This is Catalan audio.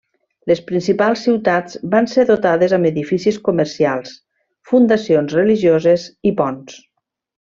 Les principals ciutats van ser dotades amb edificis comercials, fundacions religioses i ponts.